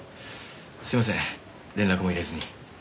すみません連絡も入れずに。